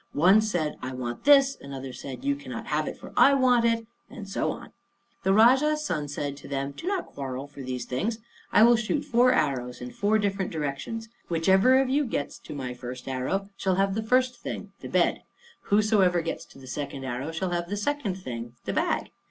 One said, "I want this;" another said, "You cannot have it, for I want it;" and so on. The Rajah's son said to them, "Do not quarrel for these things. I will shoot four arrows in four different directions. Whichever of you gets to my first arrow, shall have the first thing the bed. Whosoever gets to the second arrow, shall have the second thing the bag.